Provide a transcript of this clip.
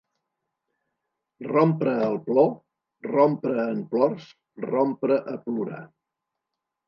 Rompre el plor, rompre en plors, rompre a plorar.